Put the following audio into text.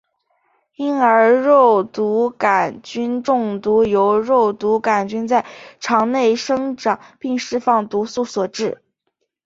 婴儿肉毒杆菌中毒由肉毒杆菌在肠内生长并释放毒素所致。